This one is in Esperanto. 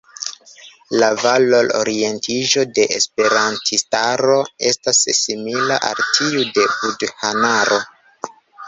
La valor-orientiĝo de esperantistaro estas simila al tiu de budhanaro.